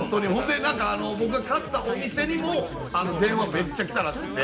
僕が買ったお店にも電話がめっちゃ来たらしくて。